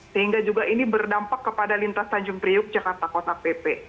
sehingga juga ini berdampak kepada lintas tanjung priuk jakarta kota pp